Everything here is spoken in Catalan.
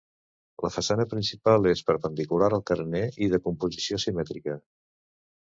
La façana principal és perpendicular al carener i de composició simètrica.